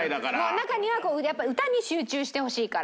中にはこうやっぱ歌に集中してほしいから。